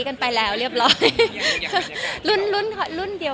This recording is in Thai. คุณแม่มะม่ากับมะมี่